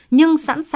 nhưng sẵn sàng tìm ra